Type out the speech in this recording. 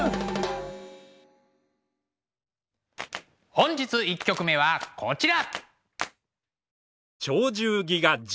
本日１曲目はこちら。